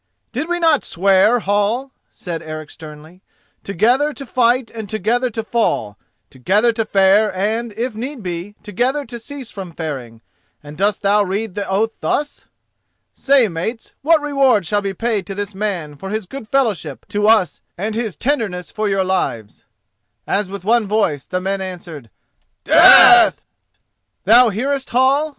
"Did we not swear, Hall," said Eric sternly, "together to fight and together to fall—together to fare and, if need be, together to cease from faring, and dost thou read the oath thus? Say, mates, what reward shall be paid to this man for his good fellowship to us and his tenderness for your lives?" As with one voice the men answered "Death!" "Thou hearest, Hall?"